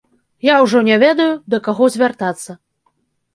Я ўжо не ведаю, да каго звяртацца.